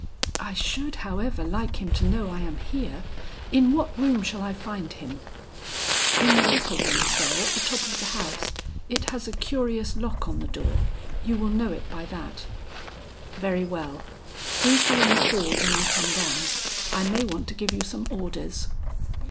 "I should, however, like him to know I am here. In what room shall I find him?" "In the little one, sir, at the top of the house. It has a curious lock on the door; you will know it by that." "Very well. Please be in the hall when I come down; I may want to give you some orders."